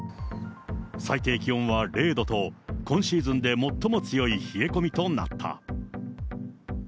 最低気温は０度と、今シーズンで最も強い冷え込みとなった。